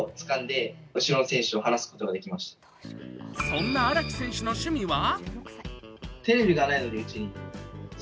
そんな荒木選手の趣味は？